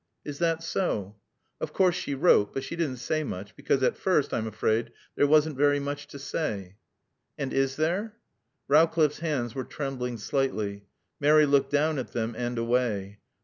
"Is that so?" "Of course she wrote; but she didn't say much, because, at first, I'm afraid, there wasn't very much to say." "And is there?" Rowcliffe's hands were trembling slightly. Mary looked down at them and away.